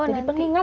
jadi pengingat ya